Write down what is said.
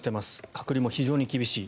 隔離も非常に厳しい。